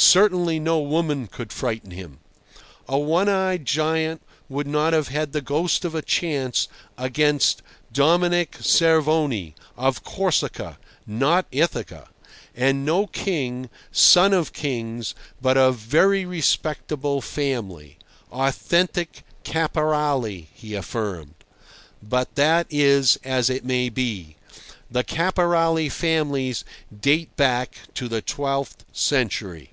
Certainly no woman could frighten him. A one eyed giant would not have had the ghost of a chance against Dominic Cervoni, of Corsica, not Ithaca; and no king, son of kings, but of very respectable family—authentic Caporali, he affirmed. But that is as it may be. The Caporali families date back to the twelfth century.